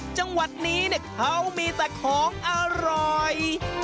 จังหวัดนี้เขามีแต่ของอร่อย